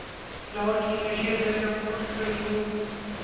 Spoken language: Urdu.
لاہور کی معیشت یکدم اٹھ کھڑی ہو۔